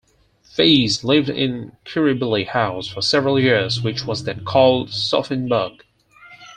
Feez lived in Kirribilli House for several years which was then called Sophienberg.